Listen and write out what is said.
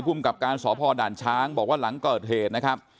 ภูมิกับการสพด่านช้างบอกว่าหลังเกิดเหตุนะครับ